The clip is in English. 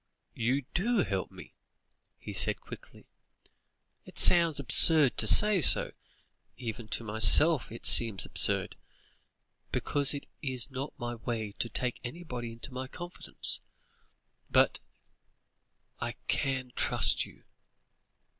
"You do help me," he said quickly; "it sounds absurd to say so, even to myself it seems absurd, because it is not my way to take anybody into my confidence. But I can trust you."